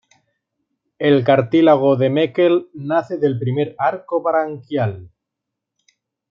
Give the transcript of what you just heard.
El cartílago de Meckel nace del primer arco branquial.